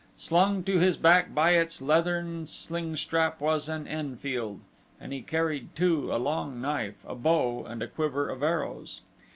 Slung to his back by its leathern sling strap was an Enfield, and he carried too a long knife, a bow and a quiver of arrows.